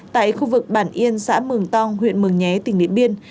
tại khu vực bản yên xã mường tong huyện mường nhé tỉnh điện biên